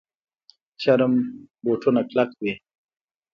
چرم بوټان کلک وي